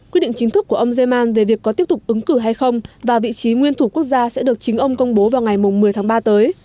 quyết định chính thức của ông zeman về việc có tiếp tục ứng cử hay không và vị trí nguyên thủ quốc gia sẽ được chính ông công bố vào ngày một mươi tháng ba tới